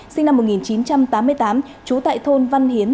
sinh năm một nghìn chín trăm tám mươi tám trú tại thôn văn hiến